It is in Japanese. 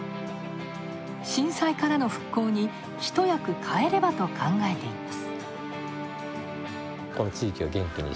震災からの復興に一役買えればと考えています。